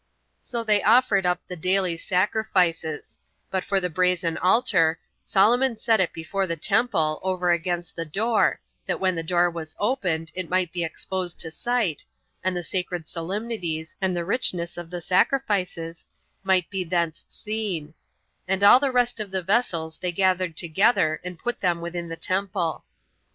So they offered up the daily sacrifices; but for the brazen altar, Solomon set it before the temple, over against the door, that when the door was opened, it might be exposed to sight, and the sacred solemnities, and the richness of the sacrifices, might be thence seen; and all the rest of the vessels they gathered together, and put them within the temple.